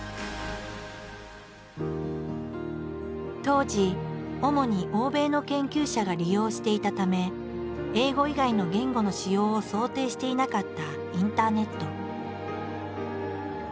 当時主に欧米の研究者が利用していたため英語以外の言語の使用を想定していなかったインターネット。